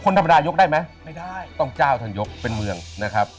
ธรรมดายกได้ไหมไม่ได้ต้องเจ้าท่านยกเป็นเมืองนะครับ